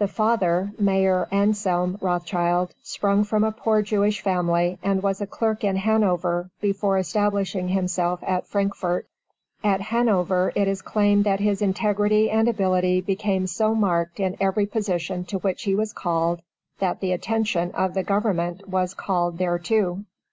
The father, Mayer Anselm Rothschild, sprung from a poor Jewish family, and was a clerk in Hanover before establishing himself at Frankfort. At Hanover it is claimed that his integrity and ability became so marked in every position to which he was called that the attention of the Government was called thereto.